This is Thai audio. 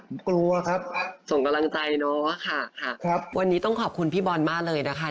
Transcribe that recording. ผมกลัวครับส่งกำลังใจเนาะค่ะค่ะครับวันนี้ต้องขอบคุณพี่บอลมากเลยนะคะ